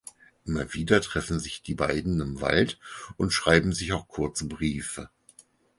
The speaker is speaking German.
Immer wieder treffen sich die beiden im Wald und schreiben sich auch kurze Briefe.